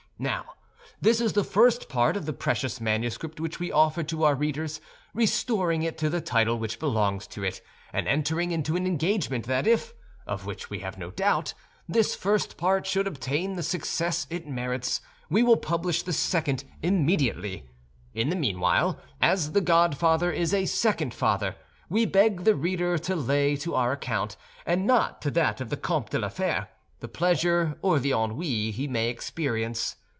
Now, this is the first part of this precious manuscript which we offer to our readers, restoring it to the title which belongs to it, and entering into an engagement that if (of which we have no doubt) this first part should obtain the success it merits, we will publish the second immediately. In the meanwhile, as the godfather is a second father, we beg the reader to lay to our account, and not to that of the Comte de la Fère, the pleasure or the ennui he may experience.